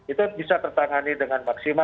itu bisa tertangani dengan maksimal